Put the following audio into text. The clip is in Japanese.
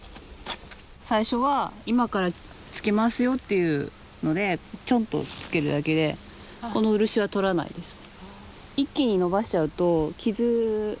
最初は今からつけますよっていうのでチョンとつけるだけでこの漆はとらないです。